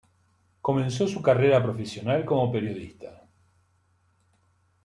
Comenzó su carrera profesional como periodista.